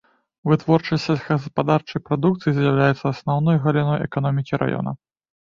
Вытворчасць сельскагаспадарчай прадукцыі з'яўляецца асноўнай галіной эканомікі раёна.